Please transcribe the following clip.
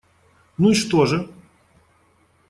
Ну и что же?